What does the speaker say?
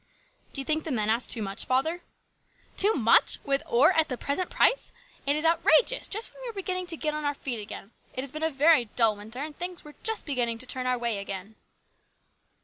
" Do you think the men ask too much, father ?"" Too much ! With ore at the present price ! It is outrageous just when we were beginning to get on THE GREAT STRIKE. 25 our feet again. It has been a very dull winter, and things were just beginning to turn our way again."